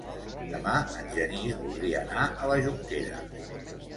Demà en Genís voldria anar a la Jonquera.